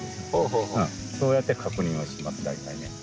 そうやって確認をします大体ね。